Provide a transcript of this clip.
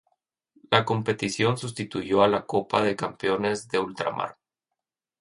La competición sustituyó a la Copa de Campeones de Ultramar.